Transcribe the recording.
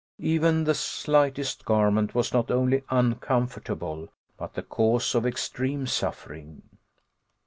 Even the slightest garment was not only uncomfortable, but the cause of extreme suffering.